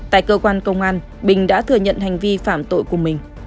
tại cơ quan công an bình đã thừa nhận hành vi phạm tội của mình